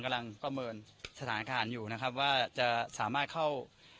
กำลังประเมินสถานการณ์อยู่นะครับว่าจะสามารถเข้า